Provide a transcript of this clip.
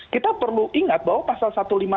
kita perlu ingat bahwa pasal satu ratus lima puluh